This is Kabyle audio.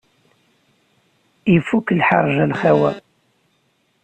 Ifuk lḥerǧ a lxawa.